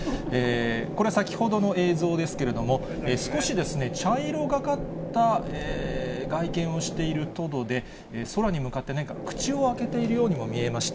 これ、先ほどの映像ですけれども、少し茶色がかった外見をしているトドで、空に向かって何か口を開けているようにも見えました。